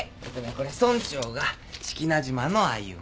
これ村長が「志木那島の歩み」